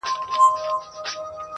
ډېري مو وکړې د تاریخ او د ننګونو کیسې,